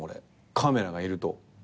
カメラがいると。